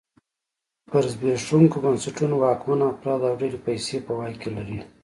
پر زبېښونکو بنسټونو واکمن افراد او ډلې پیسې په واک کې لري.